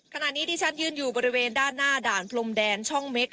ขณะนี้ที่ฉันยืนอยู่บริเวณด้านหน้าด่านพรมแดนช่องเม็ก